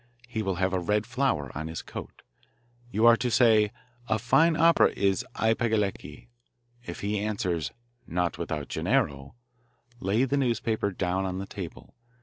He will have a red flower on his coat. You are to say, "A fine opera is 'I Pagliacci.'" If he answers, "Not without Gennaro," lay the newspaper down on the table.